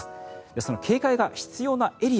その警戒が必要なエリア